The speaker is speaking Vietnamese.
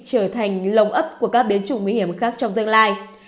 trở thành lồng ấp của các biến chủng nguy hiểm khác trong tương lai